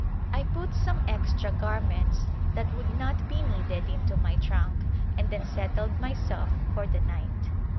I put some extra garments that would not be needed into my trunk and then settled myself for the night.